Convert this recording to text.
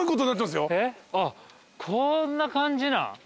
あっこんな感じなん？